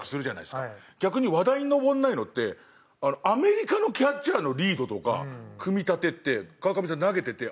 逆に話題に上らないのってアメリカのキャッチャーのリードとか組み立てって川上さん投げててあっ